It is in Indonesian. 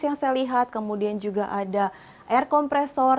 yang saya lihat kemudian juga ada air kompresor